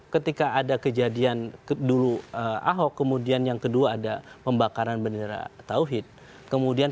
ketika ada kejadian dulu ahok kemudian yang kedua ada pembakaran bendera tauhid kemudian